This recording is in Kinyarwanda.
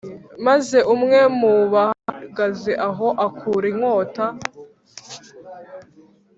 Maze umwe mu bahagaze aho akura inkota